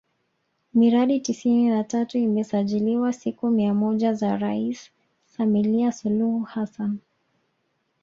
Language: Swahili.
Miradi tisini na tatu imesajiliwa siku mia moja za Rais Samilia Suluhu Hassan